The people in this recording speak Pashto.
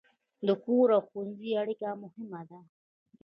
د کور او ښوونځي اړیکه مهمه ده.